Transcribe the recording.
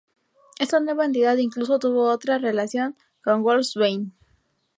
Esta nueva entidad, incluso tuvo otra relación con Wolfsbane.